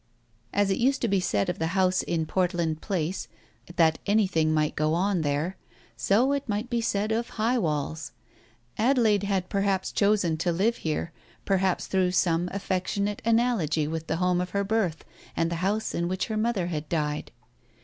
As it used to be said of the house in Portland Place that anything might go on there, so it might be said of High Walls, Adelaide had perhaps chosen to live here, perhaps through some affectionate analogy with the home of her birth and the house in which her mother had died.